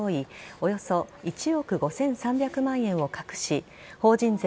およそ１億５３００万円を隠し法人税